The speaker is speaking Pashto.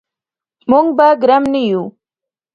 موږ به ګرم نه یو.